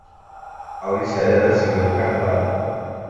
Auricelia da Silva de Carvalho